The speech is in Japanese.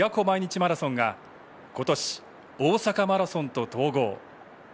毎日マラソンがことし、大阪マラソンと統合。